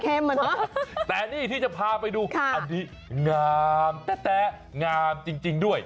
แต่นี่ที่จะพาไปดูอันนี้งามแต๊ะงามจริงด้วย